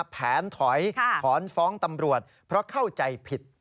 แผนถอยถอนฟ้องตำรวจเพราะเข้าใจผิด